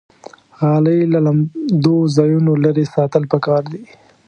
غالۍ له لمدو ځایونو لرې ساتل پکار دي.